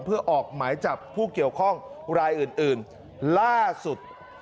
เพื่อออกหมายจับผู้เกี่ยวข้องรายอื่นล่าสุด